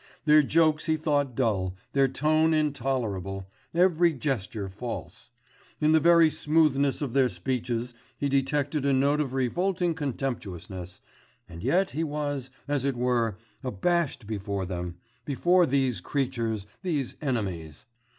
Their jokes he thought dull, their tone intolerable, every gesture false; in the very smoothness of their speeches he detected a note of revolting contemptuousness and yet he was, as it were, abashed before them, before these creatures, these enemies.